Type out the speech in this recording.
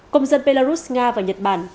công dân belarus nga và nhật bản